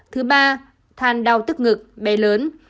thứ ba than đau tức ngực bé lớn